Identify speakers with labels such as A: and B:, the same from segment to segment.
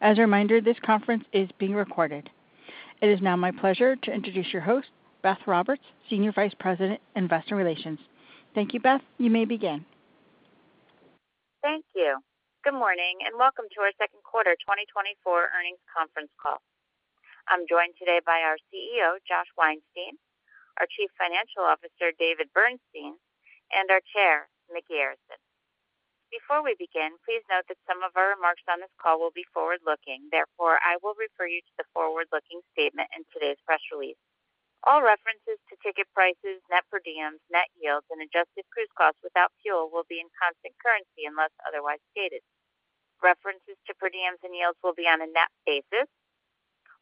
A: As a reminder, this conference is being recorded. It is now my pleasure to introduce your host, Beth Roberts, Senior Vice President, Investor Relations. Thank you, Beth. You may begin.
B: Thank you. Good morning and welcome to our second quarter 2024 earnings conference call. I'm joined today by our CEO, Josh Weinstein, our Chief Financial Officer, David Bernstein, and our Chair, Micky Arison. Before we begin, please note that some of our remarks on this call will be forward-looking. Therefore, I will refer you to the forward-looking statement in today's press release. All references to ticket prices, net per diems, net yelds, and adjusted cruise costs without fuel will be in constant currency unless otherwise stated. References to per diems and yields will be on a net basis.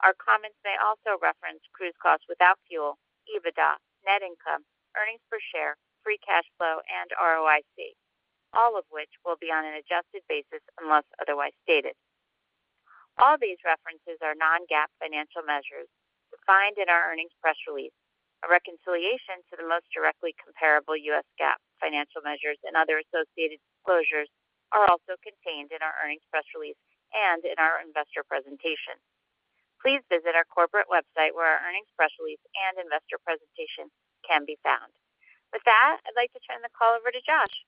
B: Our comments may also reference cruise costs without fuel, EBITDA, net income, earnings per share, free cash flow, and ROIC, all of which will be on an adjusted basis unless otherwise stated. All these references are non-GAAP financial measures defined in our earnings press release. A reconciliation to the most directly comparable U.S. GAAP financial measures and other associated disclosures are also contained in our earnings press release and in our investor presentation. Please visit our corporate website where our earnings press release and investor presentation can be found. With that, I'd like to turn the call over to Josh.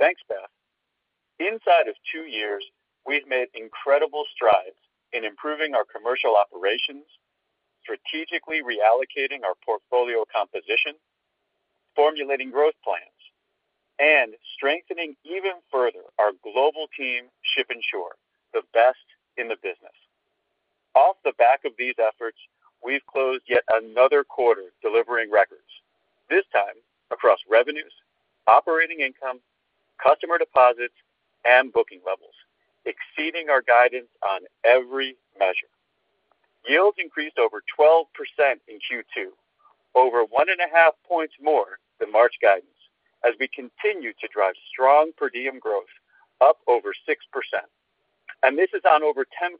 C: Thanks, Beth. Inside of two years, we've made incredible strides in improving our commercial operations, strategically reallocating our portfolio composition, formulating growth plans, and strengthening even further our global team, Ship & Shore, the best in the business. Off the back of these efforts, we've closed yet another quarter delivering records, this time across revenues, operating income, customer deposits, and booking levels, exceeding our guidance on every measure. Yields increased over 12% in Q2, over 1.5 points more than March guidance, as we continue to drive strong per diem growth up over 6%. This is on over 10%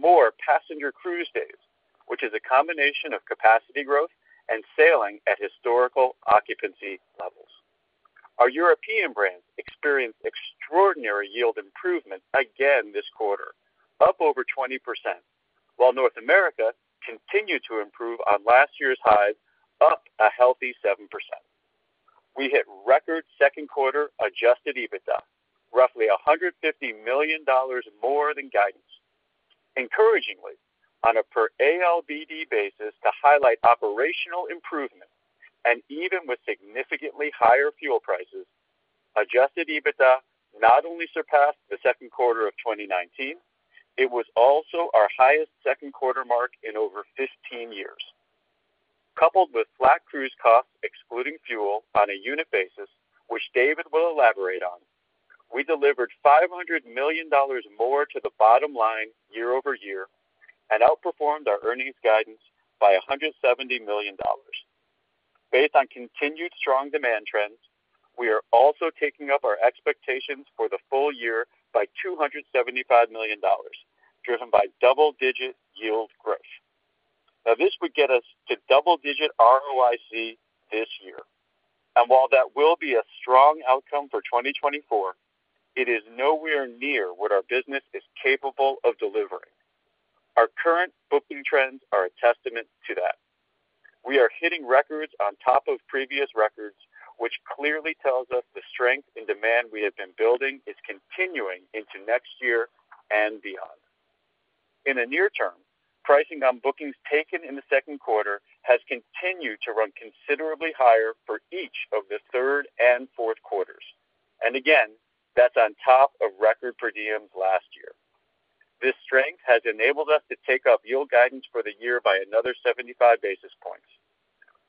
C: more passenger cruise days, which is a combination of capacity growth and sailing at historical occupancy levels. Our European brands experienced extraordinary yield improvement again this quarter, up over 20%, while North America continued to improve on last year's highs, up a healthy 7%. We hit record second quarter Adjusted EBITDA, roughly $150 million more than guidance, encouragingly on a per ALBD basis to highlight operational improvement. Even with significantly higher fuel prices, Adjusted EBITDA not only surpassed the second quarter of 2019, it was also our highest second quarter mark in over 15 years. Coupled with flat cruise costs, excluding fuel on a unit basis, which David will elaborate on, we delivered $500 million more to the bottom line year-over-year and outperformed our earnings guidance by $170 million. Based on continued strong demand trends, we are also taking up our expectations for the full year by $275 million, driven by double-digit yield growth. Now, this would get us to double-digit ROIC this year. While that will be a strong outcome for 2024, it is nowhere near what our business is capable of delivering. Our current booking trends are a testament to that. We are hitting records on top of previous records, which clearly tells us the strength and demand we have been building is continuing into next year and beyond. In the near term, pricing on bookings taken in the second quarter has continued to run considerably higher for each of the third and fourth quarters. Again, that's on top of record per diems last year. This strength has enabled us to take up yield guidance for the year by another 75 basis points.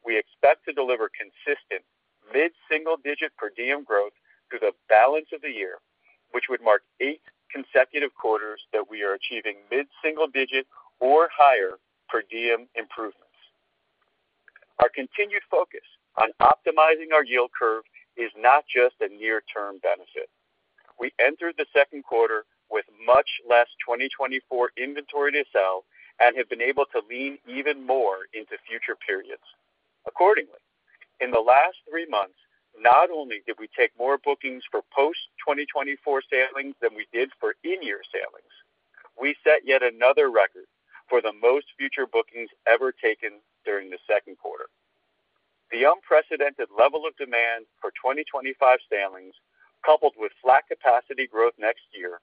C: We expect to deliver consistent mid-single-digit per diem growth through the balance of the year, which would mark eight consecutive quarters that we are achieving mid-single-digit or higher per diem improvements. Our continued focus on optimizing our yield curve is not just a near-term benefit. We entered the second quarter with much less 2024 inventory to sell and have been able to lean even more into future periods. Accordingly, in the last three months, not only did we take more bookings for post-2024 sailings than we did for in-year sailings, we set yet another record for the most future bookings ever taken during the second quarter. The unprecedented level of demand for 2025 sailings, coupled with flat capacity growth next year,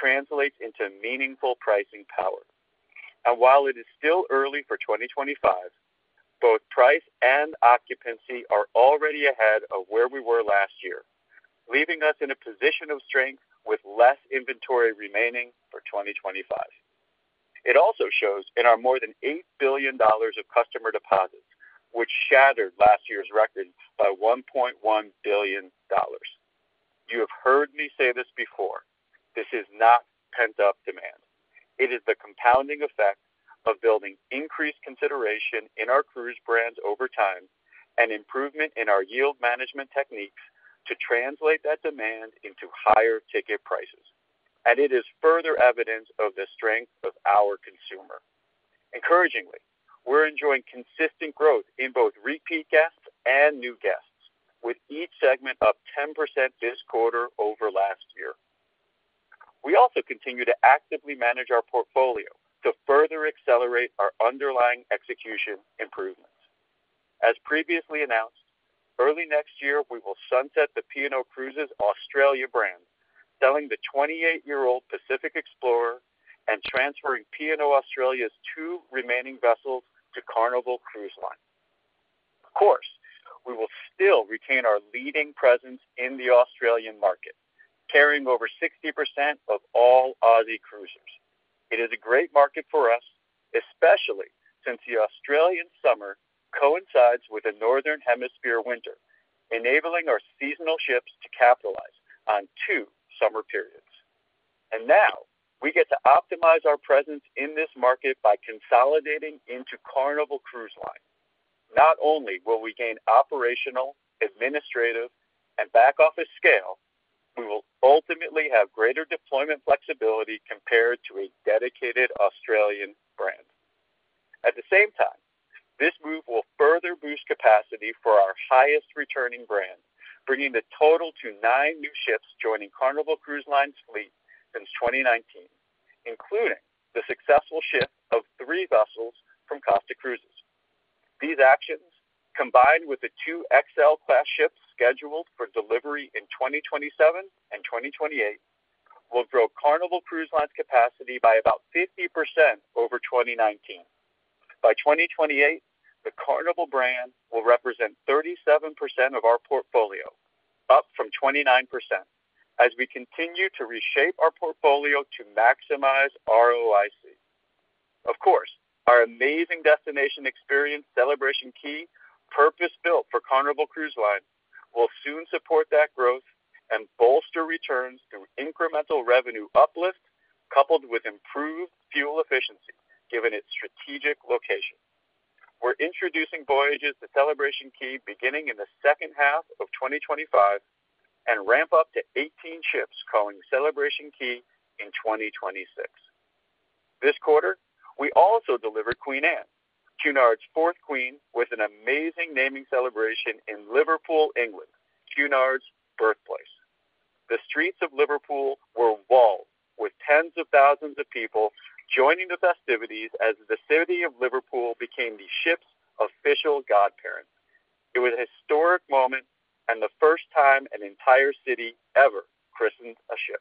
C: translates into meaningful pricing power. While it is still early for 2025, both price and occupancy are already ahead of where we were last year, leaving us in a position of strength with less inventory remaining for 2025. It also shows in our more than $8 billion of customer deposits, which shattered last year's record by $1.1 billion. You have heard me say this before. This is not pent-up demand. It is the compounding effect of building increased consideration in our cruise brands over time and improvement in our yield management techniques to translate that demand into higher ticket prices. It is further evidence of the strength of our consumer. Encouragingly, we're enjoying consistent growth in both repeat guests and new guests, with each segment up 10% this quarter over last year. We also continue to actively manage our portfolio to further accelerate our underlying execution improvements. As previously announced, early next year, we will sunset the P&O Cruises Australia brand, selling the 28-year-old Pacific Explorer and transferring P&O Australia's two remaining vessels to Carnival Cruise Line. Of course, we will still retain our leading presence in the Australian market, carrying over 60% of all Aussie cruisers. It is a great market for us, especially since the Australian summer coincides with the Northern Hemisphere winter, enabling our seasonal ships to capitalize on two summer periods. Now we get to optimize our presence in this market by consolidating into Carnival Cruise Line. Not only will we gain operational, administrative, and back-office scale, we will ultimately have greater deployment flexibility compared to a dedicated Australian brand. At the same time, this move will further boost capacity for our highest-returning brand, bringing the total to 9 new ships joining Carnival Cruise Line's fleet since 2019, including the successful shift of three vessels from Costa Cruises. These actions, combined with the two Excel-class ships scheduled for delivery in 2027 and 2028, will grow Carnival Cruise Line's capacity by about 50% over 2019. By 2028, the Carnival brand will represent 37% of our portfolio, up from 29%, as we continue to reshape our portfolio to maximize ROIC. Of course, our amazing destination experience, Celebration Key, purpose-built for Carnival Cruise Line, will soon support that growth and bolster returns through incremental revenue uplift, coupled with improved fuel efficiency, given its strategic location. We're introducing voyages to Celebration Key beginning in the second half of 2025 and ramp up to 18 ships calling Celebration Key in 2026. This quarter, we also delivered Queen Anne, Cunard's fourth queen, with an amazing naming celebration in Liverpool, England, Cunard's birthplace. The streets of Liverpool were walled with tens of thousands of people joining the festivities as the City of Liverpool became the ship's official godparent. It was a historic moment and the first time an entire city ever christened a ship.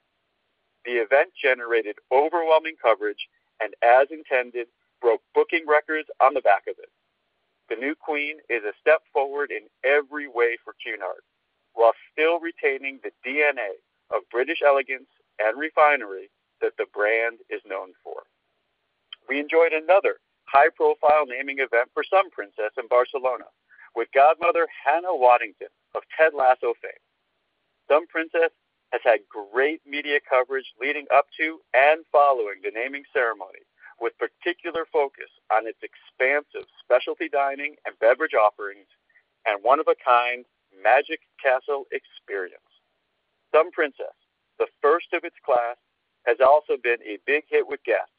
C: The event generated overwhelming coverage and, as intended, broke booking records on the back of it. The new queen is a step forward in every way for Cunard, while still retaining the DNA of British elegance and refinement that the brand is known for. We enjoyed another high-profile naming event for Sun Princess in Barcelona, with Godmother Hannah Waddingham of Ted Lasso fame. Sun Princess has had great media coverage leading up to and following the naming ceremony, with particular focus on its expansive specialty dining and beverage offerings and one-of-a-kind Magic Castle experience. Sun Princess, the first of its class, has also been a big hit with guests,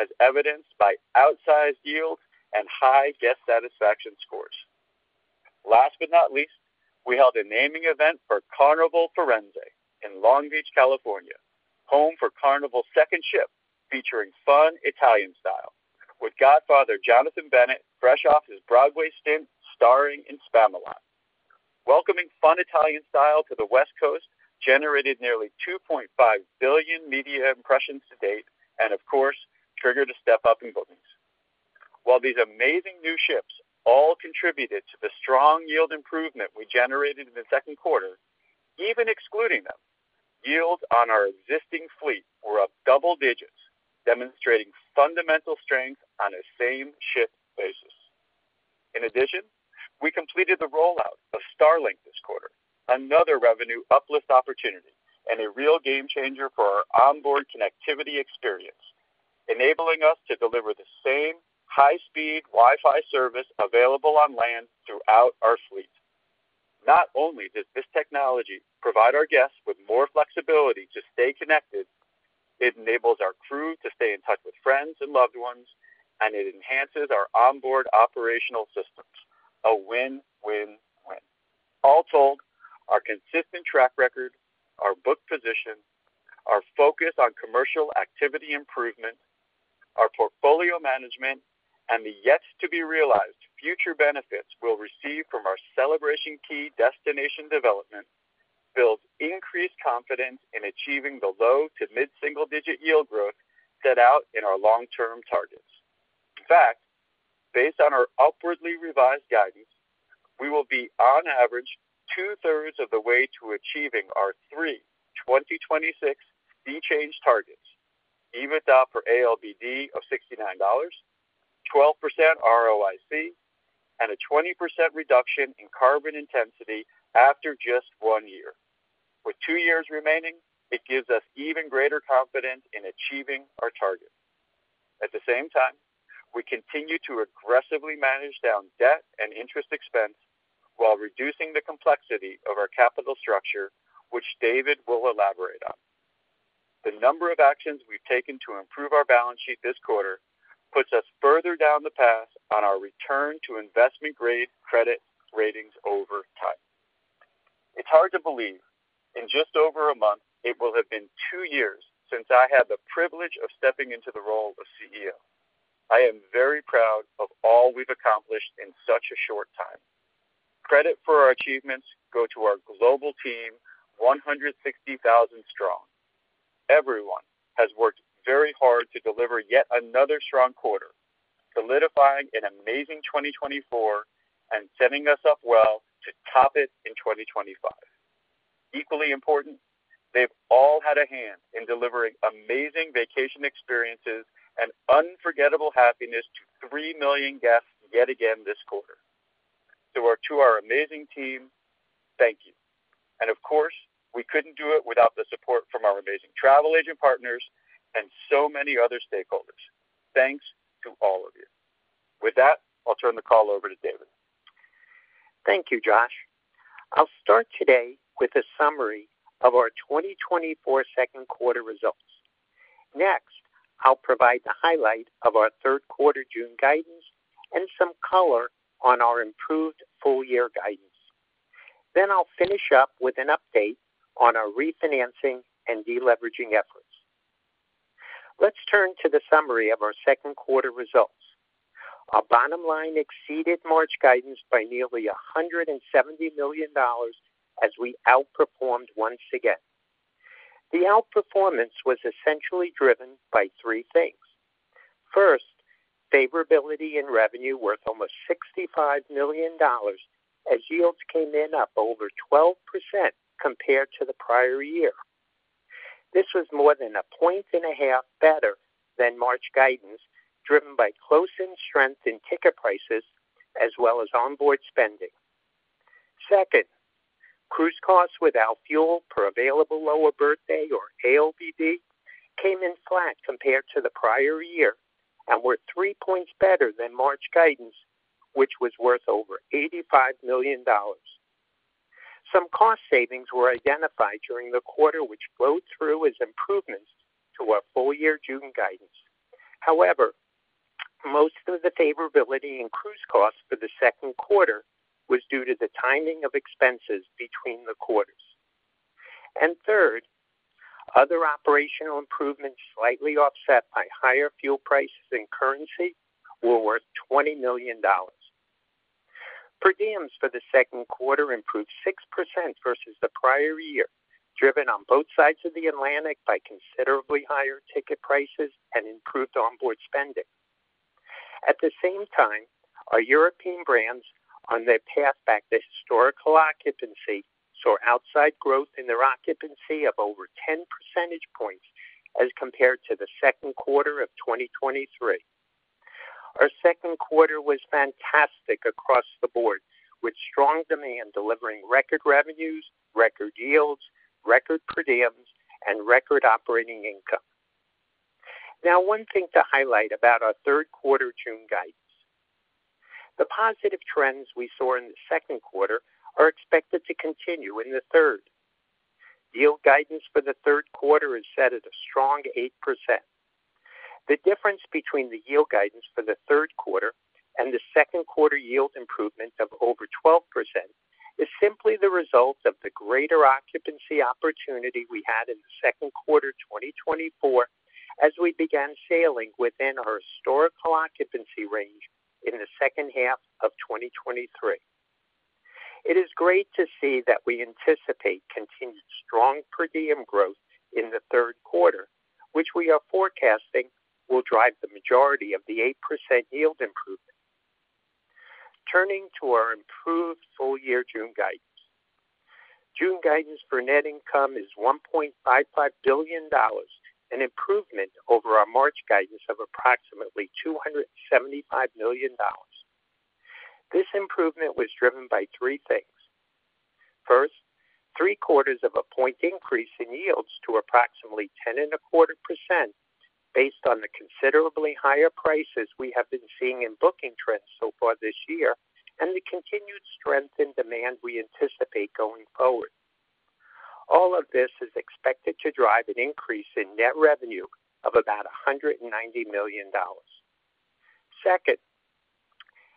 C: as evidenced by outsized yields and high guest satisfaction scores. Last but not least, we held a naming event for Carnival Firenze in Long Beach, California, home for Carnival's second ship featuring Fun Italian Style, with Godfather Jonathan Bennett fresh off his Broadway stint starring in Spamalot. Welcoming Fun Italian Style to the West Coast generated nearly 2.5 billion media impressions to date and, of course, triggered a step up in bookings. While these amazing new ships all contributed to the strong yield improvement we generated in the second quarter, even excluding them, yields on our existing fleet were up double digits, demonstrating fundamental strength on a same-ship basis. In addition, we completed the rollout of Starlink this quarter, another revenue uplift opportunity and a real game changer for our onboard connectivity experience, enabling us to deliver the same high-speed Wi-Fi service available on land throughout our fleet. Not only does this technology provide our guests with more flexibility to stay connected, it enables our crew to stay in touch with friends and loved ones, and it enhances our onboard operational systems. A win, win, win. All told, our consistent track record, our book position, our focus on commercial activity improvement, our portfolio management, and the yet-to-be-realized future benefits we'll receive from our Celebration Key destination development builds increased confidence in achieving the low to mid-single-digit yield growth set out in our long-term targets. In fact, based on our upwardly revised guidance, we will be on average two-thirds of the way to achieving our three 2026 sea change targets: EBITDA per ALBD of $69, 12% ROIC, and a 20% reduction in carbon intensity after just one year. With two years remaining, it gives us even greater confidence in achieving our target. At the same time, we continue to aggressively manage down debt and interest expense while reducing the complexity of our capital structure, which David will elaborate on. The number of actions we've taken to improve our balance sheet this quarter puts us further down the path on our return-to-investment-grade credit ratings over time. It's hard to believe in just over a month, it will have been 2 years since I had the privilege of stepping into the role of CEO. I am very proud of all we've accomplished in such a short time. Credit for our achievements go to our global team, 160,000 strong. Everyone has worked very hard to deliver yet another strong quarter, solidifying an amazing 2024 and setting us up well to top it in 2025. Equally important, they've all had a hand in delivering amazing vacation experiences and unforgettable happiness to 3 million guests yet again this quarter. To our amazing team, thank you. Of course, we couldn't do it without the support from our amazing travel agent partners and so many other stakeholders. Thanks to all of you. With that, I'll turn the call over to David.
D: Thank you, Josh. I'll start today with a summary of our 2024 second quarter results. Next, I'll provide the highlight of our third quarter June guidance and some color on our improved full-year guidance. I'll finish up with an update on our refinancing and deleveraging efforts. Let's turn to the summary of our second quarter results. Our bottom line exceeded March guidance by nearly $170 million as we outperformed once again. The outperformance was essentially driven by three things. First, favorability in revenue worth almost $65 million as yields came in up over 12% compared to the prior year. This was more than a point and a half better than March guidance, driven by close-in strength in ticket prices as well as onboard spending. Second, cruise costs without fuel per available lower berth day or ALBD came in flat compared to the prior year and were three points better than March guidance, which was worth over $85 million. Some cost savings were identified during the quarter, which flowed through as improvements to our full-year June guidance. However, most of the favorability in cruise costs for the second quarter was due to the timing of expenses between the quarters. And third, other operational improvements slightly offset by higher fuel prices and currency were worth $20 million. Per diems for the second quarter improved 6% versus the prior year, driven on both sides of the Atlantic by considerably higher ticket prices and improved onboard spending. At the same time, our European brands on their path back to historical occupancy saw outside growth in their occupancy of over 10 percentage points as compared to the second quarter of 2023. Our second quarter was fantastic across the board, with strong demand delivering record revenues, record yields, record per diems, and record operating income. Now, one thing to highlight about our third quarter June guidance. The positive trends we saw in the second quarter are expected to continue in the third. Yield guidance for the third quarter is set at a strong 8%. The difference between the yield guidance for the third quarter and the second quarter yield improvement of over 12% is simply the result of the greater occupancy opportunity we had in the second quarter 2024 as we began sailing within our historical occupancy range in the second half of 2023. It is great to see that we anticipate continued strong per diem growth in the third quarter, which we are forecasting will drive the majority of the 8% yield improvement. Turning to our improved full-year June guidance. June guidance for net income is $1.55 billion, an improvement over our March guidance of approximately $275 million. This improvement was driven by three things. First, 0.75-point increase in yields to approximately 10.25% based on the considerably higher prices we have been seeing in booking trends so far this year and the continued strength in demand we anticipate going forward. All of this is expected to drive an increase in net revenue of about $190 million. Second,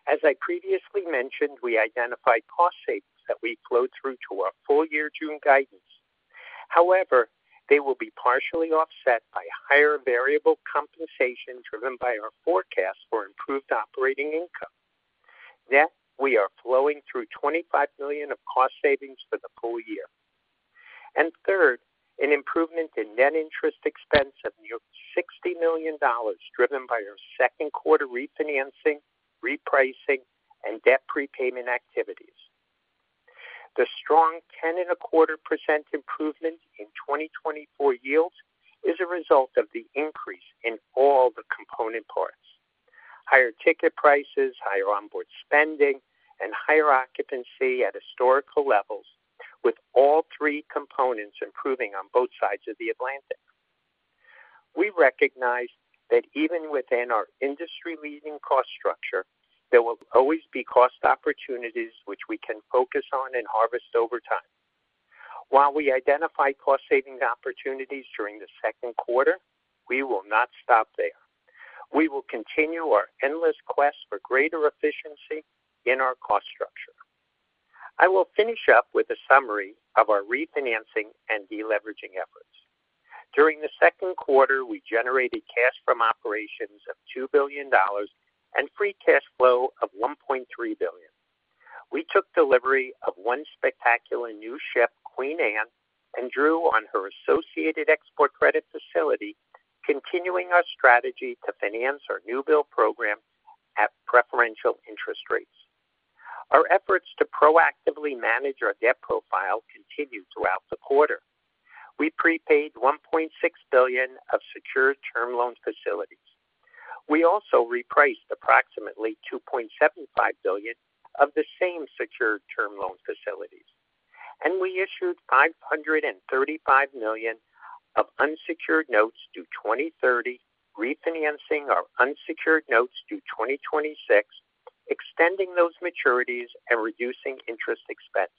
D: as I previously mentioned, we identified cost savings that we flowed through to our full-year June guidance. However, they will be partially offset by higher variable compensation driven by our forecast for improved operating income. Yet, we are flowing through $25 million of cost savings for the full year. And third, an improvement in net interest expense of nearly $60 million driven by our second quarter refinancing, repricing, and debt prepayment activities. The strong 10.25% improvement in 2024 yields is a result of the increase in all the component parts: higher ticket prices, higher onboard spending, and higher occupancy at historical levels, with all three components improving on both sides of the Atlantic. We recognize that even within our industry-leading cost structure, there will always be cost opportunities which we can focus on and harvest over time. While we identify cost savings opportunities during the second quarter, we will not stop there. We will continue our endless quest for greater efficiency in our cost structure. I will finish up with a summary of our refinancing and deleveraging efforts. During the second quarter, we generated cash from operations of $2 billion and free cash flow of $1.3 billion. We took delivery of one spectacular new ship, Queen Anne, and drew on her associated export credit facility, continuing our strategy to finance our new build program at preferential interest rates. Our efforts to proactively manage our debt profile continued throughout the quarter. We prepaid $1.6 billion of secured term loan facilities. We also repriced approximately $2.75 billion of the same secured term loan facilities. We issued $535 million of unsecured notes due 2030, refinancing our unsecured notes due 2026, extending those maturities and reducing interest expense.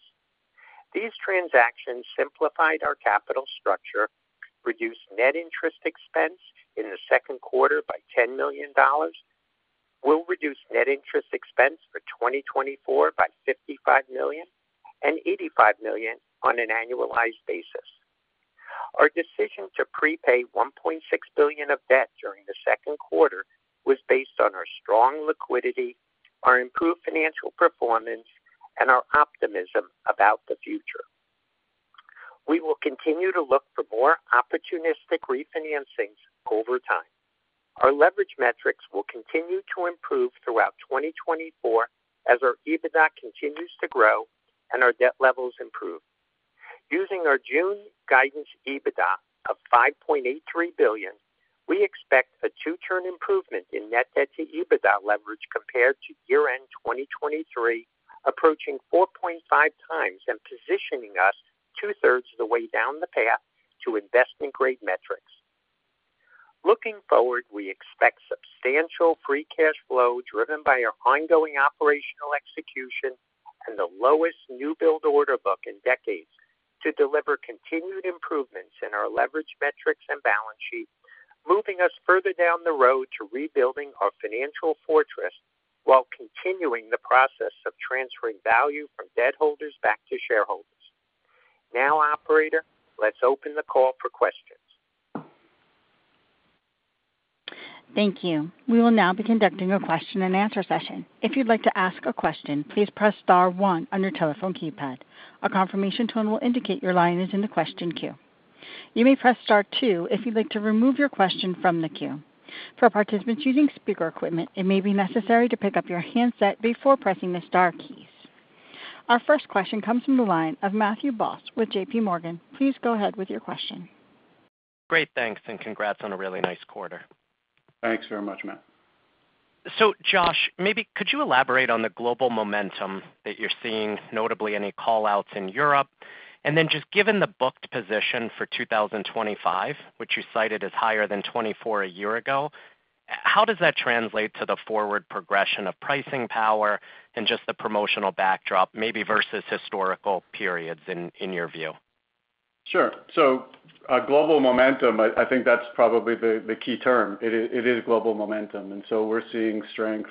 D: These transactions simplified our capital structure, reduced net interest expense in the second quarter by $10 million, will reduce net interest expense for 2024 by $55 million and $85 million on an annualized basis. Our decision to prepay $1.6 billion of debt during the second quarter was based on our strong liquidity, our improved financial performance, and our optimism about the future. We will continue to look for more opportunistic refinancings over time. Our leverage metrics will continue to improve throughout 2024 as our EBITDA continues to grow and our debt levels improve. Using our June guidance EBITDA of $5.83 billion, we expect a two-turn improvement in net debt to EBITDA leverage compared to year-end 2023, approaching 4.5x and positioning us two-thirds of the way down the path to investment-grade metrics. Looking forward, we expect substantial free cash flow driven by our ongoing operational execution and the lowest new build order book in decades to deliver continued improvements in our leverage metrics and balance sheet, moving us further down the road to rebuilding our financial fortress while continuing the process of transferring value from debt holders back to shareholders. Now, operator, let's open the call for questions. Thank you. We will now be conducting a question-and-answer session.
A: If you'd like to ask a question, please press Star 1 on your telephone keypad. A confirmation tone will indicate your line is in the question queue. You may press Star 2 if you'd like to remove your question from the queue. For participants using speaker equipment, it may be necessary to pick up your handset before pressing the Star keys. Our first question comes from the line of Matthew Boss with JPMorgan. Please go ahead with your question.
E: Great. Thanks. And congrats on a really nice quarter.
C: Thanks very much, Matt.
E: So, Josh, maybe could you elaborate on the global momentum that you're seeing, notably any callouts in Europe? And then just given the booked position for 2025, which you cited as higher than 2024 a year ago, how does that translate to the forward progression of pricing power and just the promotional backdrop, maybe versus historical periods in your view?
C: Sure. So global momentum, I think that's probably the key term. It is global momentum. And so we're seeing strength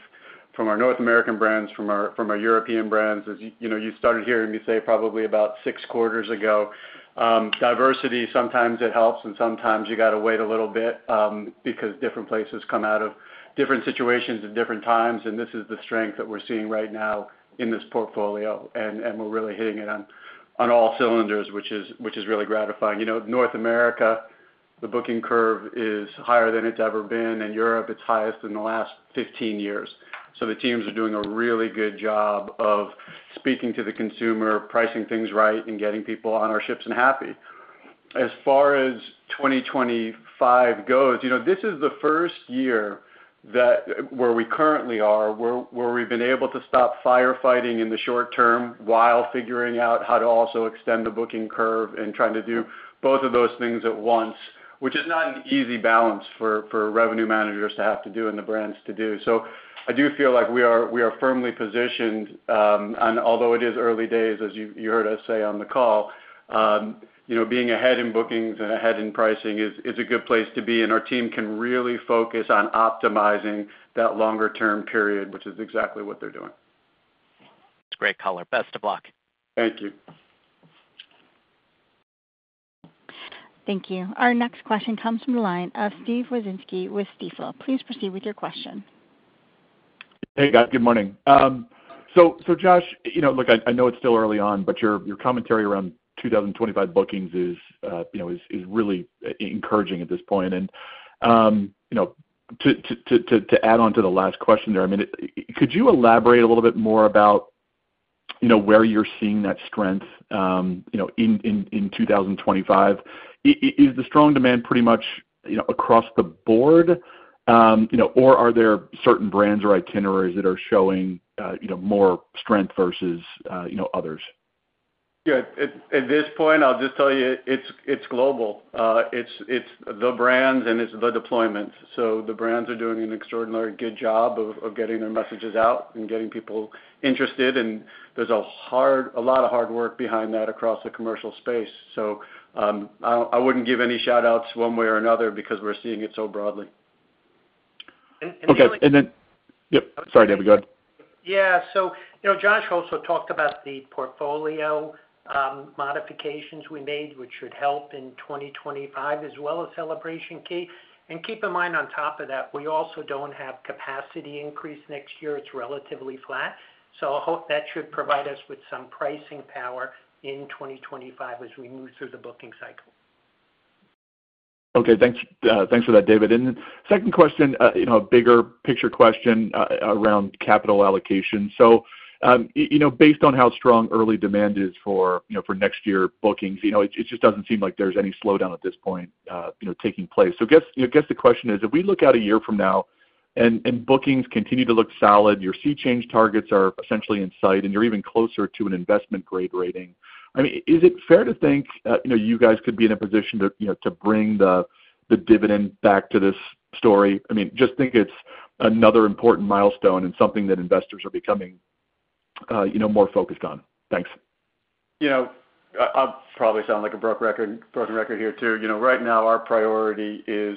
C: from our North American brands, from our European brands, as you started hearing me say probably about six quarters ago. Diversity, sometimes it helps, and sometimes you got to wait a little bit because different places come out of different situations at different times. And this is the strength that we're seeing right now in this portfolio. And we're really hitting it on all cylinders, which is really gratifying. North America, the booking curve is higher than it's ever been. Europe, it's highest in the last 15 years. So the teams are doing a really good job of speaking to the consumer, pricing things right, and getting people on our ships and happy. As far as 2025 goes, this is the first year where we currently are where we've been able to stop firefighting in the short term while figuring out how to also extend the booking curve and trying to do both of those things at once, which is not an easy balance for revenue managers to have to do and the brands to do. So I do feel like we are firmly positioned. Although it is early days, as you heard us say on the call, being ahead in bookings and ahead in pricing is a good place to be. Our team can really focus on optimizing that longer-term period, which is exactly what they're doing.
E: That's great, Connor. Best of luck.
C: Thank you.
A: Thank you. Our next question comes from the line of Steven Wieczynski with Stifel. Please proceed with your question.
F: Hey, guys. Good morning. So, Josh, look, I know it's still early on, but your commentary around 2025 bookings is really encouraging at this point. And to add on to the last question there, I mean, could you elaborate a little bit more about where you're seeing that strength in 2025? Is the strong demand pretty much across the board, or are there certain brands or itineraries that are showing more strength versus others?
C: Yeah. At this point, I'll just tell you, it's global. It's the brands, and it's the deployments. So the brands are doing an extraordinarily good job of getting their messages out and getting people interested. And there's a lot of hard work behind that across the commercial space. So I wouldn't give any shout-outs one way or another because we're seeing it so broadly. Okay. And then yep. Sorry, David. Go ahead.
D: Yeah. So Josh also talked about the portfolio modifications we made, which should help in 2025 as well as Celebration Key. And keep in mind, on top of that, we also don't have capacity increase next year. It's relatively flat. So I hope that should provide us with some pricing power in 2025 as we move through the booking cycle.
F: Okay. Thanks for that, David. And second question, a bigger picture question around capital allocation. So based on how strong early demand is for next year bookings, it just doesn't seem like there's any slowdown at this point taking place. So I guess the question is, if we look out a year from now and bookings continue to look solid, your sea change targets are essentially in sight, and you're even closer to an investment-grade rating, I mean, is it fair to think you guys could be in a position to bring the dividend back to this story? I mean, just think it's another important milestone and something that investors are becoming more focused on. Thanks.
C: I'll probably sound like a broken record here too. Right now, our priority is to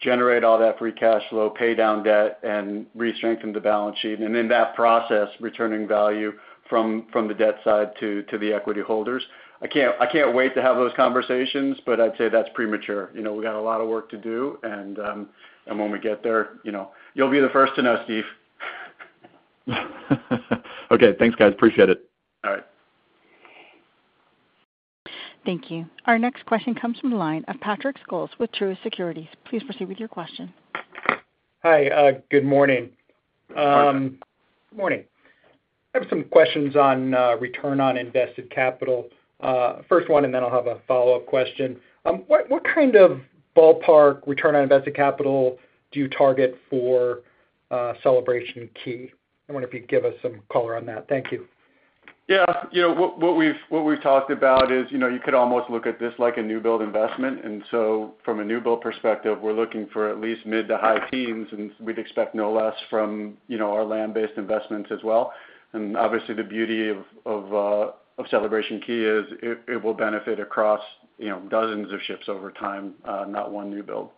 C: generate all that free cash flow, pay down debt, and re-strengthen the balance sheet. And in that process, returning value from the debt side to the equity holders. I can't wait to have those conversations, but I'd say that's premature. We got a lot of work to do. And when we get there, you'll be the first to know, Steve.
F: Okay. Thanks, guys. Appreciate it.
C: All right.
A: Thank you. Our next question comes from the line of Patrick Scholes with Truist Securities. Please proceed with your question.
G: Hi. Good morning. Good morning. I have some questions on return on invested capital. First one, and then I'll have a follow-up question. What kind of ballpark return on invested capital do you target for Celebration Key? I wonder if you'd give us some color on that. Thank you.
C: Yeah. What we've talked about is you could almost look at this like a new build investment. And so from a new build perspective, we're looking for at least mid- to high-teens, and we'd expect no less from our land-based investments as well. And obviously, the beauty of Celebration Key is it will benefit across dozens of ships over time, not one new build.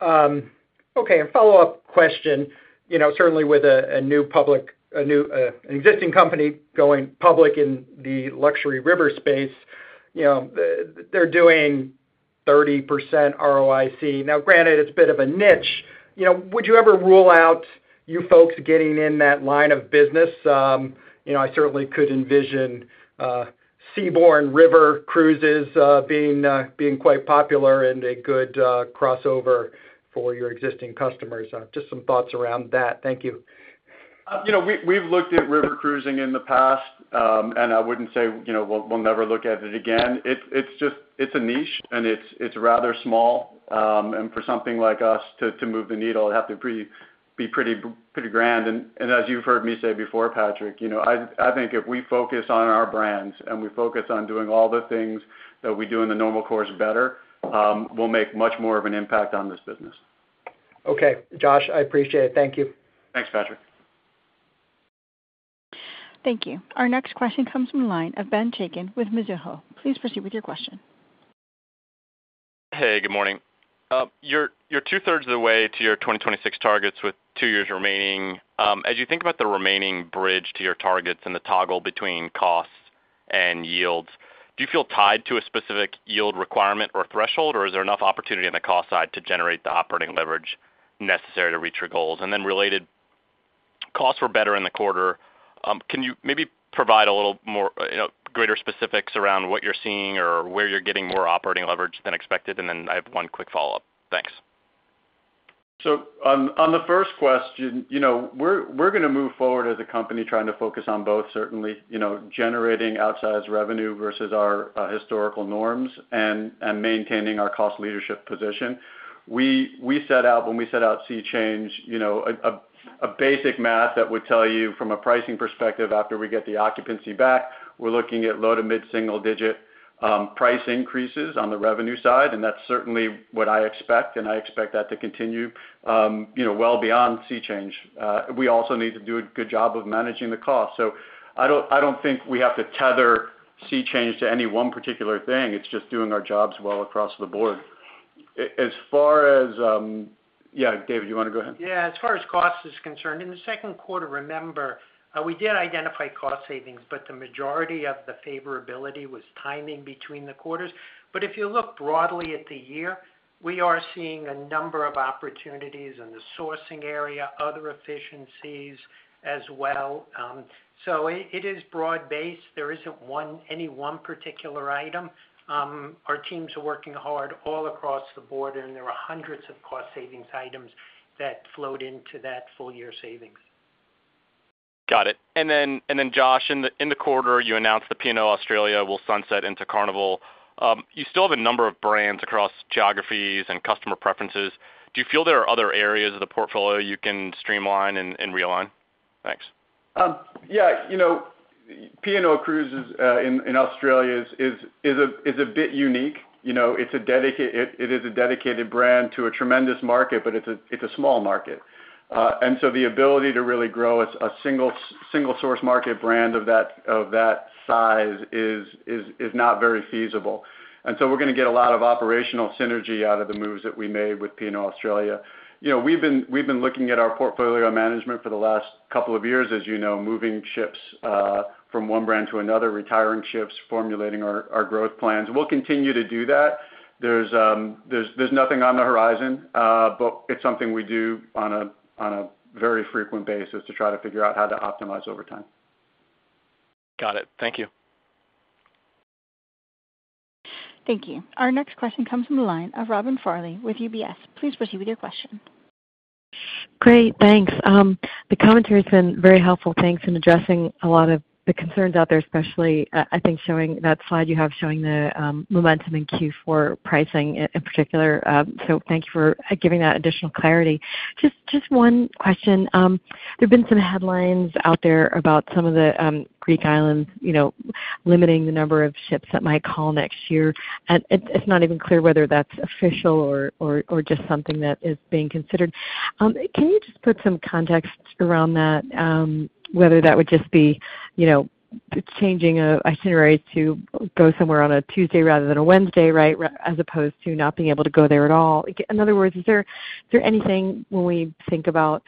G: Okay. And follow-up question. Certainly, with an existing company going public in the luxury river space, they're doing 30% ROIC. Now, granted, it's a bit of a niche. Would you ever rule out you folks getting in that line of business? I certainly could envision seaborne river cruises being quite popular and a good crossover for your existing customers. Just some thoughts around that. Thank you.
C: We've looked at river cruising in the past, and I wouldn't say we'll never look at it again. It's a niche, and it's rather small. For something like us to move the needle, it'd have to be pretty grand. As you've heard me say before, Patrick, I think if we focus on our brands and we focus on doing all the things that we do in the normal course better, we'll make much more of an impact on this business.
G: Okay. Josh, I appreciate it. Thank you.
C: Thanks, Patrick.
A: Thank you. Our next question comes from the line of Ben Chaikin with Mizuho. Please proceed with your question.
H: Hey. Good morning. You're two-thirds of the way to your 2026 targets with two years remaining. As you think about the remaining bridge to your targets and the toggle between costs and yields, do you feel tied to a specific yield requirement or threshold, or is there enough opportunity on the cost side to generate the operating leverage necessary to reach your goals? And then related, costs were better in the quarter. Can you maybe provide a little more greater specifics around what you're seeing or where you're getting more operating leverage than expected? And then I have one quick follow-up. Thanks.
C: So on the first question, we're going to move forward as a company trying to focus on both, certainly generating outsized revenue versus our historical norms and maintaining our cost leadership position. When we set out sea change, a basic math that would tell you from a pricing perspective after we get the occupancy back, we're looking at low- to mid-single-digit price increases on the revenue side. And that's certainly what I expect, and I expect that to continue well beyond sea change. We also need to do a good job of managing the cost. So I don't think we have to tether sea change to any one particular thing. It's just doing our jobs well across the board. As far as yeah, David, you want to go ahead?
D: Yeah. As far as cost is concerned, in the second quarter, remember, we did identify cost savings, but the majority of the favorability was timing between the quarters. But if you look broadly at the year, we are seeing a number of opportunities in the sourcing area, other efficiencies as well. So it is broad-based. There isn't any one particular item. Our teams are working hard all across the board, and there are hundreds of cost savings items that flowed into that full-year savings.
H: Got it. And then, Josh, in the quarter, you announced the P&O Australia will sunset into Carnival. You still have a number of brands across geographies and customer preferences. Do you feel there are other areas of the portfolio you can streamline and realign? Thanks.
C: Yeah. P&O Cruises Australia is a bit unique. It is a dedicated brand to a tremendous market, but it's a small market. And so the ability to really grow a single-source market brand of that size is not very feasible. And so we're going to get a lot of operational synergy out of the moves that we made with P&O Cruises Australia. We've been looking at our portfolio management for the last couple of years, as you know, moving ships from one brand to another, retiring ships, formulating our growth plans. We'll continue to do that. There's nothing on the horizon, but it's something we do on a very frequent basis to try to figure out how to optimize over time.
H: Got it. Thank you.
A: Thank you. Our next question comes from the line of Robin Farley with UBS. Please proceed with your question.
I: Great. Thanks. The commentary has been very helpful, thanks, in addressing a lot of the concerns out there, especially, I think, showing that slide you have showing the momentum in Q4 pricing in particular. So thank you for giving that additional clarity. Just one question. There have been some headlines out there about some of the Greek islands limiting the number of ships that might call next year. It's not even clear whether that's official or just something that is being considered. Can you just put some context around that, whether that would just be changing an itinerary to go somewhere on a Tuesday rather than a Wednesday, right, as opposed to not being able to go there at all? In other words, is there anything when we think about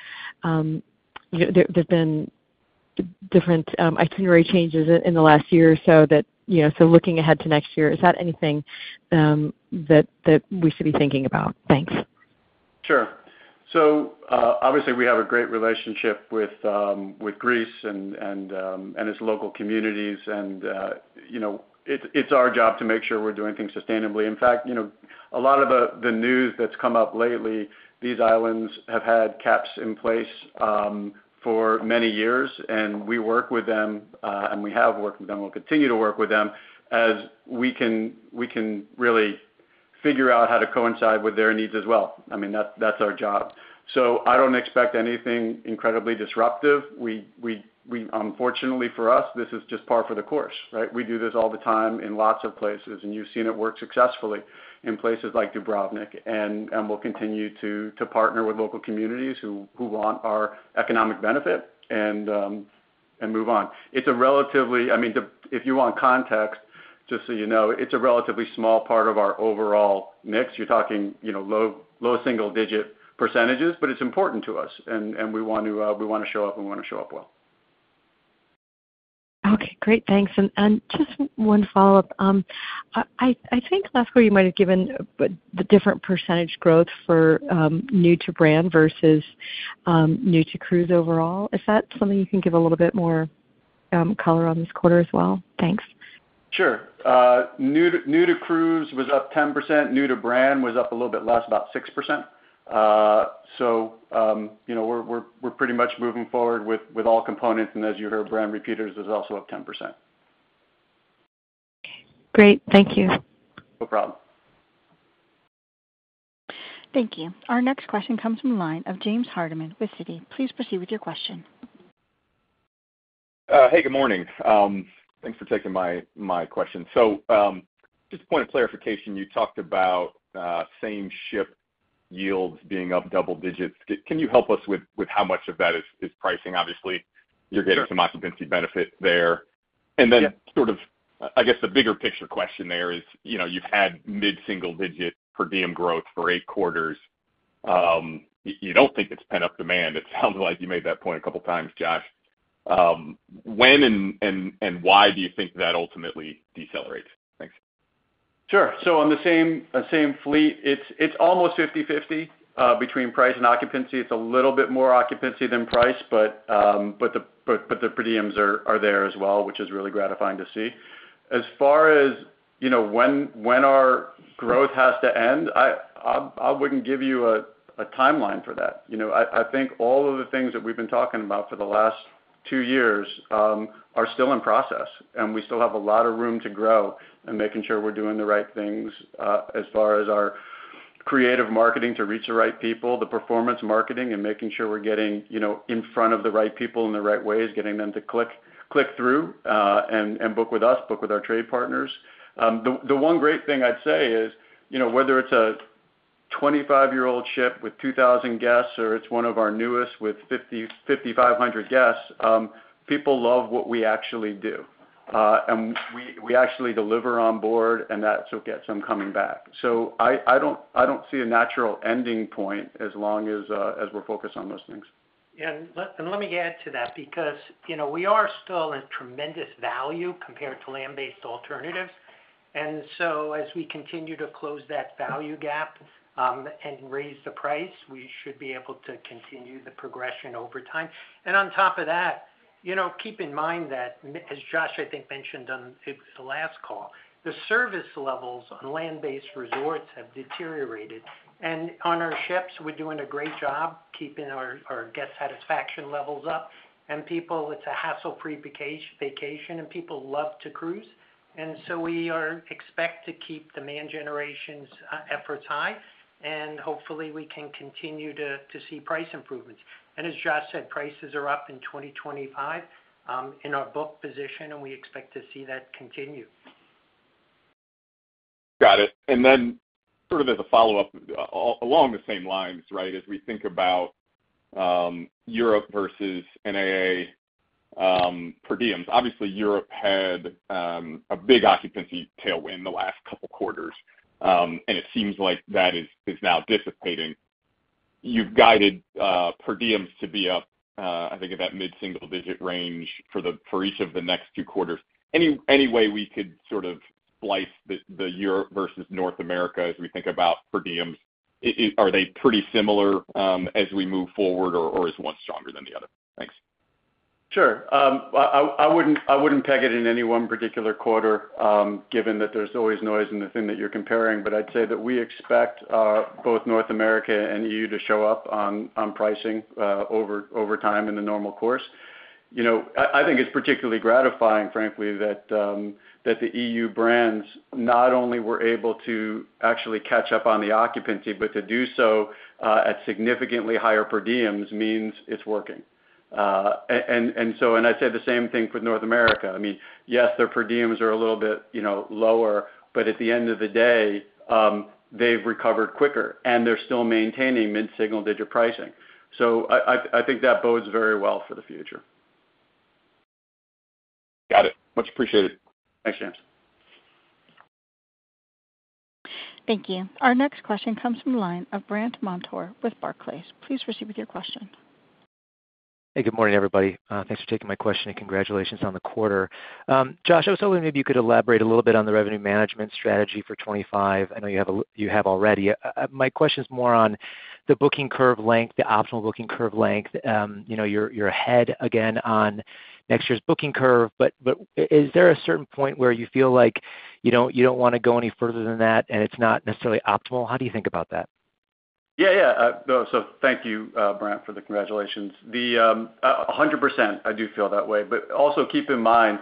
I: there's been different itinerary changes in the last year or so that. So looking ahead to next year, is that anything that we should be thinking about? Thanks.
C: Sure. So obviously, we have a great relationship with Greece and its local communities, and it's our job to make sure we're doing things sustainably. In fact, a lot of the news that's come up lately, these islands have had caps in place for many years. We work with them, and we have worked with them, and we'll continue to work with them as we can really figure out how to coincide with their needs as well. I mean, that's our job. So I don't expect anything incredibly disruptive. Unfortunately, for us, this is just par for the course, right? We do this all the time in lots of places, and you've seen it work successfully in places like Dubrovnik. And we'll continue to partner with local communities who want our economic benefit and move on. It's a relatively—I mean, if you want context, just so you know—it's a relatively small part of our overall mix. You're talking low single-digit percentages, but it's important to us, and we want to show up, and we want to show up well.
I: Okay. Great. Thanks. And just one follow-up. I think last quarter, you might have given the different percentage growth for new-to-brand versus new-to-cruise overall. Is that something you can give a little bit more color on this quarter as well? Thanks.
C: Sure. New-to-cruise was up 10%. New-to-brand was up a little bit less, about 6%. So we're pretty much moving forward with all components. And as you heard, brand repeaters was also up 10%.
I: Great. Thank you.
C: No problem.
A: Thank you. Our next question comes from the line of James Hardiman with Citi. Please proceed with your question.
J: Hey. Good morning. Thanks for taking my question. So just a point of clarification, you talked about same-ship yields being up double digits. Can you help us with how much of that is pricing? Obviously, you're getting some occupancy benefit there. And then sort of, I guess, the bigger picture question there is you've had mid-single-digit per diem growth for eight quarters. You don't think it's pent-up demand. It sounds like you made that point a couple of times, Josh. When and why do you think that ultimately decelerates? Thanks.
C: Sure. So on the same fleet, it's almost 50/50 between price and occupancy. It's a little bit more occupancy than price, but the per diems are there as well, which is really gratifying to see. As far as when our growth has to end, I wouldn't give you a timeline for that. I think all of the things that we've been talking about for the last two years are still in process, and we still have a lot of room to grow in making sure we're doing the right things as far as our creative marketing to reach the right people, the performance marketing, and making sure we're getting in front of the right people in the right ways, getting them to click through and book with us, book with our trade partners. The one great thing I'd say is whether it's a 25-year-old ship with 2,000 guests or it's one of our newest with 5,500 guests, people love what we actually do. We actually deliver on board, and that's what gets them coming back. So I don't see a natural ending point as long as we're focused on those things.
D: Let me add to that because we are still in tremendous value compared to land-based alternatives. As we continue to close that value gap and raise the price, we should be able to continue the progression over time. On top of that, keep in mind that, as Josh, I think, mentioned on the last call, the service levels on land-based resorts have deteriorated. On our ships, we're doing a great job keeping our guest satisfaction levels up. It's a hassle-free vacation, and people love to cruise. We expect to keep demand generation efforts high, and hopefully, we can continue to see price improvements. And as Josh said, prices are up in 2025 in our book position, and we expect to see that continue.
J: Got it. And then sort of as a follow-up along the same lines, right, as we think about Europe versus NA per diems, obviously, Europe had a big occupancy tailwind the last couple of quarters, and it seems like that is now dissipating. You've guided per diems to be up, I think, at that mid-single-digit range for each of the next two quarters. Any way we could sort of splice the Europe versus North America as we think about per diems, are they pretty similar as we move forward, or is one stronger than the other? Thanks. Sure.
C: I wouldn't peg it in any one particular quarter given that there's always noise in the thing that you're comparing, but I'd say that we expect both North America and EU to show up on pricing over time in the normal course. I think it's particularly gratifying, frankly, that the EU brands not only were able to actually catch up on the occupancy, but to do so at significantly higher per diems means it's working. And I'd say the same thing for North America. I mean, yes, their per diems are a little bit lower, but at the end of the day, they've recovered quicker, and they're still maintaining mid-single-digit pricing. So I think that bodes very well for the future.
J: Got it. Much appreciated.
C: Thanks, James.
A: Thank you. Our next question comes from the line of Brandt Montour with Barclays. Please proceed with your question.
K: Hey. Good morning, everybody. Thanks for taking my question and congratulatiàons on the quarter. Josh, I was hoping maybe you could elaborate a little bit on the revenue management strategy for 2025. I know you have already. My question's more on the booking curve length, the optimal booking curve length. You're ahead, again, on next year's booking curve, but is there a certain point where you feel like you don't want to go any further than that, and it's not necessarily optimal? How do you think about that?
C: Yeah. Yeah. So thank you, Brant, for the congratulations. 100%, I do feel that way. But also keep in mind,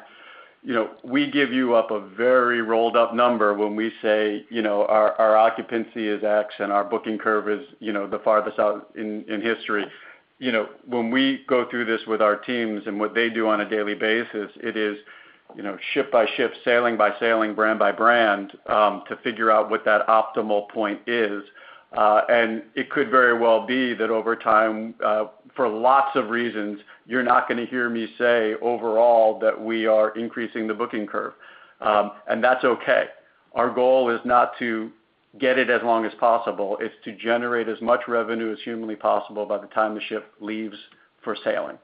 C: we give you up a very rolled-up number when we say our occupancy is X and our booking curve is the farthest out in history. When we go through this with our teams and what they do on a daily basis, it is ship by ship, sailing by sailing, brand by brand to figure out what that optimal point is. It could very well be that over time, for lots of reasons, you're not going to hear me say overall that we are increasing the booking curve. That's okay. Our goal is not to get it as long as possible. It's to generate as much revenue as humanly possible by the time the ship leaves for sailing.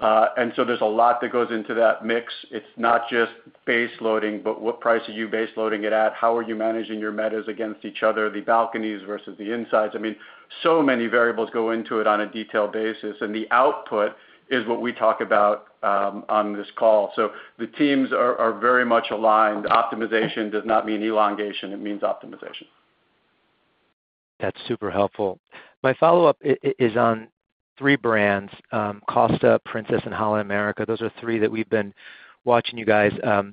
C: So there's a lot that goes into that mix. It's not just base loading, but what price are you base loading it at? How are you managing your metas against each other, the balconies versus the insides? I mean, so many variables go into it on a detailed basis, and the output is what we talk about on this call. So the teams are very much aligned. Optimization does not mean elongation. It means optimization. T
K: hat's super helpful. My follow-up is on three brands: Costa, Princess, and Holland America. Those are three that we've been watching you guys